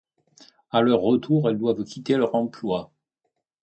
À leur retour, elles doivent quitter leur emploi.